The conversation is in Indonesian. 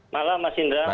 malam mas indra